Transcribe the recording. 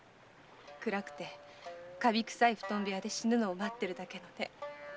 暗くてカビ臭い布団部屋で死ぬのを待ってるだけのね。